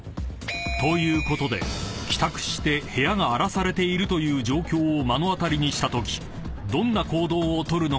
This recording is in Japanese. ［ということで帰宅して部屋が荒らされているという状況を目の当たりにしたときどんな行動を取るのが正しいのか？］